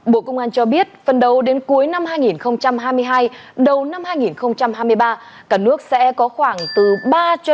bộ công an cho biết phần đầu đến cuối năm hai nghìn hai mươi hai đầu năm hai nghìn hai mươi ba